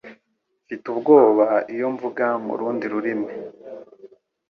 Mfite ubwoba iyo mvuga mu rundi rurimi